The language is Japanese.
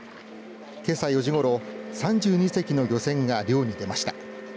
けさ４時ごろ３２隻の漁船が漁に出ました。